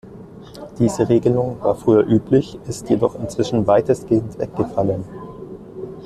Diese Regelung war früher üblich, ist jedoch inzwischen weitestgehend weggefallen.